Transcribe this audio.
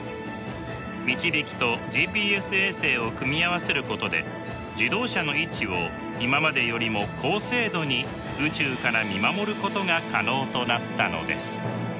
みちびきとＧＰＳ衛星を組み合わせることで自動車の位置を今までよりも高精度に宇宙から見守ることが可能となったのです。